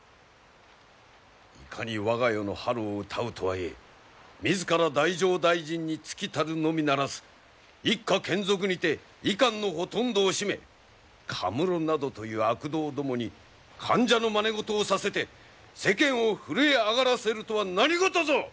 いかに我が世の春をうたうとはいえ自ら太政大臣に就きたるのみならず一家眷属にて位官のほとんどを占め禿などという悪童どもに間者のまね事をさせて世間を震え上がらせるとは何事ぞ！